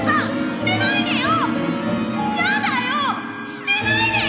捨てないでよ！